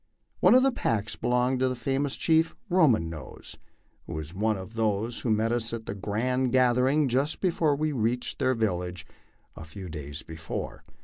One of the packs belonged to a famous chief, '* Roman Nose," who was one of those who met us at the grand gathering just before we reached their village a few days before.